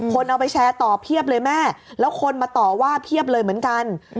คนเอาไปแชร์ต่อเพียบเลยแม่แล้วคนมาต่อว่าเพียบเลยเหมือนกัน